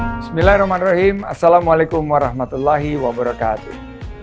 bismillahirrahmanirrahim assalamualaikum warahmatullahi wabarakatuh